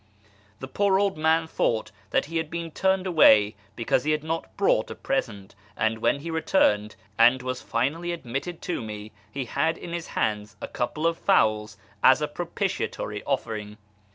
The poor old man thought that he had been turned away because he had not brought a present, and when he returned and was finally admitted to me, he had in his hands a couple of fowls as a propitiatory offering.